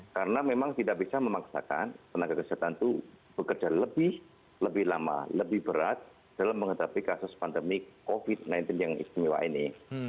karena memang tidak bisa memaksakan tenaga kesehatan itu bekerja lebih lama lebih berat dalam menghadapi kasus pandemi covid sembilan belas yang istimewa ini